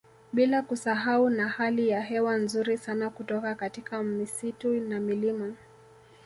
Bila kusahau na hali ya hewa nzuri sana kutoka katika misitu na milima